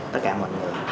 tất cả mọi người